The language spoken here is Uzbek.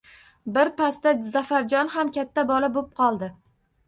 Bir pasda Zafarjon ham katta bola bo`p qoldi